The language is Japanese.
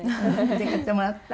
買ってもらった？